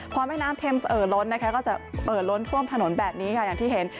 พอแม่น้ำเทมเอ่อล้นนะคะก็จะเอ่อล้นท่วมถนนแบบนี้ค่ะอย่างที่เห็น